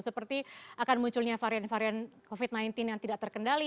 seperti akan munculnya varian varian covid sembilan belas yang tidak terkendali